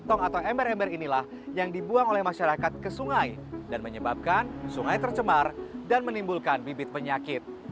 tong atau ember ember inilah yang dibuang oleh masyarakat ke sungai dan menyebabkan sungai tercemar dan menimbulkan bibit penyakit